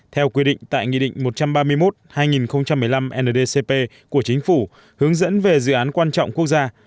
theo quy định tại nghị định một trăm ba mươi một hai nghìn một mươi năm ndcp của chính phủ hướng dẫn về dự án quan trọng quốc gia